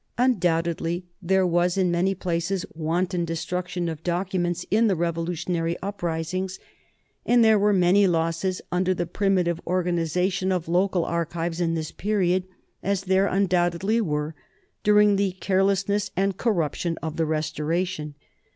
Un doubtedly there was in many places wanton destruc tion of documents in the revolutionary uprisings, and there were many losses under the primitive organiza tion of local archives in this period, as there undoubt edly were during the carelessness and corruption of the Restoration.